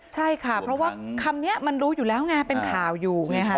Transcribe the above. ใช่ค่ะเพราะว่าคำนี้มันรู้อยู่แล้วไงเป็นข่าวอยู่ไงฮะ